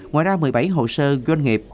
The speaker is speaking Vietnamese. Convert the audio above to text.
ngoài ra một mươi bảy hồ sơ doanh nghiệp